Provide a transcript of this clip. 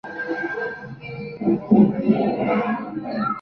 Cuando Anthony Shirley dejó Persia, Robert se quedó con otros catorce ingleses.